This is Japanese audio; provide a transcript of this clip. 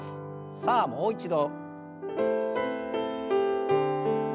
さあもう一度。